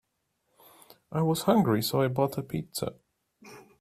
I was hungry, so I bought a pizza.